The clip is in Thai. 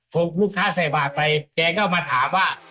พอลูกค้าใส่บาทไปแกก็มาถามว่า